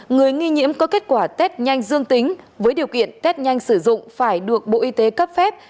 người nghi nhiễm có kết quả test nhanh dương tính với điều kiện test nhanh sử dụng phải được bộ y tế cấp phép